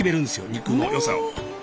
肉の良さを。